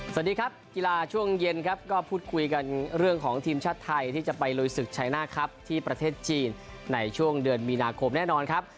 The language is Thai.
สวัสดีครับกีฬาช่วงเย็นครับก็พูดคุยกันเรื่องของทีมชาติไทยที่จะไปลุยศึกชัยหน้าครับที่ประเทศจีนในช่วงเดือนมีนาคมแน่นอนครับ